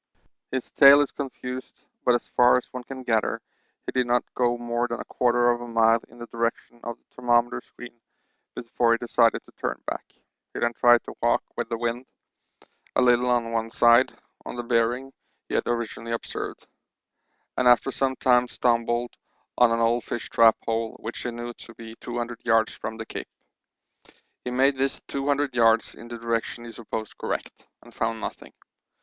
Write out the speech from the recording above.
His tale is confused, but as far as one can gather he did not go more than a quarter of a mile in the direction of the thermometer screen before he decided to turn back. He then tried to walk with the wind a little on one side on the bearing he had originally observed, and after some time stumbled on an old fish trap hole, which he knew to be 200 yards from the Cape. He made this 200 yards in the direction he supposed correct, and found nothing.